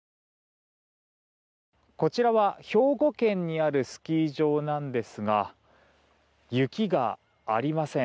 こちらは兵庫県にあるスキー場なんですが雪がありません。